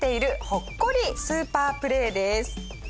ほっこりスーパープレーです。